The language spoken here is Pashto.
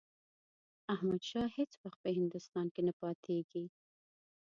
احمدشاه هیڅ وخت په هندوستان کې نه پاتېږي.